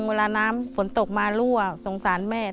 เวลาน้ำฝนตกมารั่วสงสารแม่